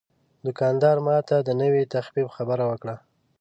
دوکاندار ماته د نوې تخفیف خبره وکړه.